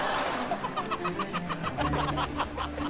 ハハハハ！